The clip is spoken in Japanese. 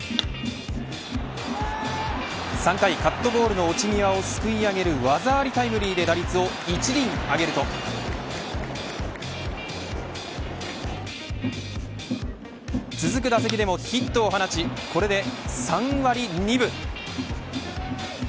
３回、カットボールの落ち際をすくい上げる技ありタイムリーで打率を１厘上げると続く打席でもヒットを放ちこれで３割２分。